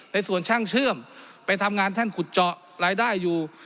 ในส่วนช่างเชื่อมไปทำงานท่านขุดเจาะรายได้อยู่